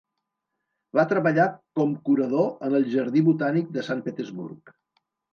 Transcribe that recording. Va treballar com curador en el Jardí botànic de Sant Petersburg.